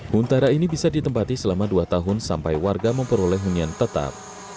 huntara ini bisa ditempati selama dua tahun sampai warga memperoleh hunian tetap